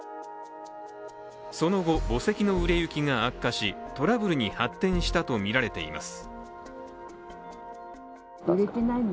その後、墓石の売れ行きが悪化しトラブルに発展したとみられています。